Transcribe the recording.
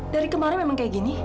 dari kemarin memang kayak gini